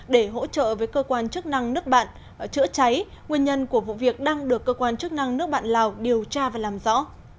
để hỗ trợ với cơ quan chức năng nước bạn chữa cháy nguyên nhân của vụ việc đang được cơ quan chức năng nước bạn lào điều tra và làm rõ